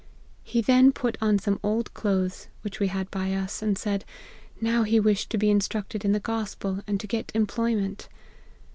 He then put on some,, old clothes, which we had by us, and said, now he wished to be instructed in the Gospel, and to get employment.